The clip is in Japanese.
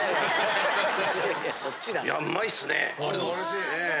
いやうまいっすね。